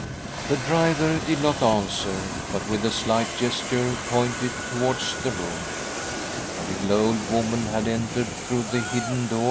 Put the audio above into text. ) The driver did not answer, but with a slight gesture pointed towards the' room. A little Old woman had entered through the hidden door, 1 ,;■ A ■ I V I'. . ■MM ■